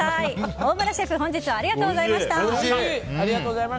大村シェフ、本日はありがとうございました。